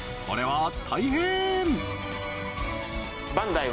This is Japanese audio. これは大変！